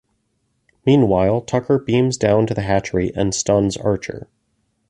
Meanwhile, Tucker beams down to the hatchery and stuns Archer.